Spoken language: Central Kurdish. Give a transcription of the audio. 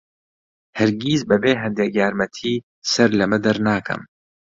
هەرگیز بەبێ هەندێک یارمەتی سەر لەمە دەرناکەم.